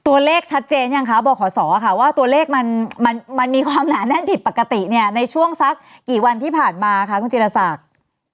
ตัวเลขชัดเจนยังคะบขศค่ะว่าตัวเลขมันมีความหนาแน่นผิดปกติเนี่ยในช่วงสักกี่วันที่ผ่านมาคะคุณจิรศักดิ์